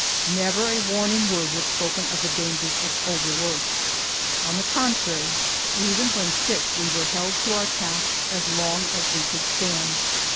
Never a warning word was spoken of the dangers of over work. On the contrary, even when sick we were held to our tasks as long as we could stand.